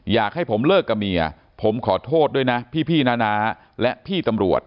อยากให้ผมเลิกกับเมียผมขอโทษด้วยนะพี่น้าและพี่ตำรวจ